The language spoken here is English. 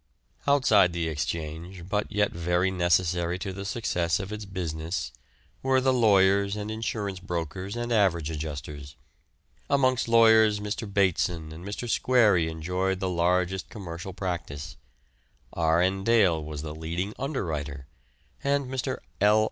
Outside the Exchange, but yet very necessary to the success of its business, were the lawyers and insurance brokers and average adjusters. Amongst lawyers Mr. Bateson and Mr. Squarey enjoyed the largest commercial practice; R. N. Dale was the leading underwriter; and Mr. L.